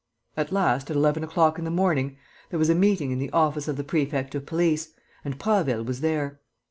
At last, at eleven o'clock in the morning, there was a meeting in the office of the prefect of police, and Prasville was there.